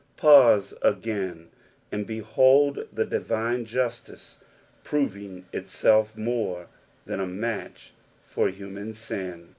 Pause again, and behold the divine justice proving itaelf more than a match for human sin.